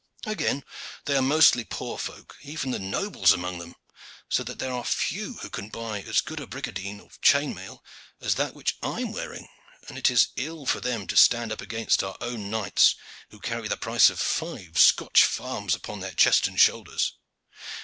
Again, they are mostly poor folk, even the nobles among them, so that there are few who can buy as good a brigandine of chain mail as that which I am wearing, and it is ill for them to stand up against our own knights, who carry the price of five Scotch farms upon their chest and shoulders.